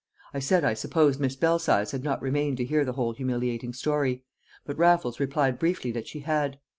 I said I supposed Miss Belsize had not remained to hear the whole humiliating story, but Raffles replied briefly that she had.